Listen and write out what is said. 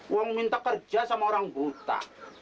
uang minta kerja sama orang buta